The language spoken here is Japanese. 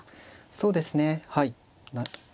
そうですねはい。